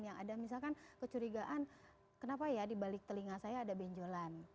yang ada misalkan kecurigaan kenapa ya di balik telinga saya ada benjolan